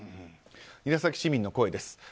韮崎市民の声です。